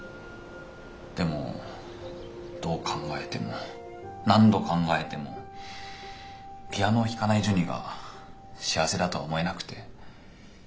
でもどう考えても何度考えてもピアノを弾かないジュニが幸せだとは思えなくて。